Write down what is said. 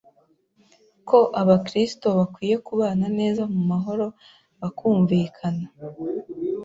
ko abakristo bakwiye kubana neza mu mahoro, bakumvikana.